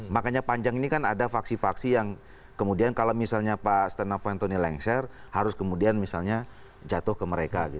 makanya panjang ini kan ada faksi faksi yang kemudian kalau misalnya pak stenovanto ini lengser harus kemudian misalnya jatuh ke mereka